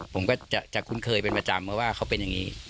ผมก็จะคุ้นเคยเป็นประจำเพราะว่าเขาเป็นอย่างนี้